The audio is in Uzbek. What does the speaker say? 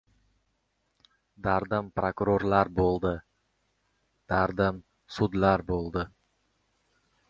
Dardim prokuraturalar bo‘ldi, dardim sudlar bo‘ldi.